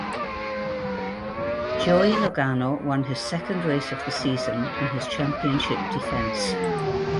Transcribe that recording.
Joey Logano won his second race of the season in his championship defense.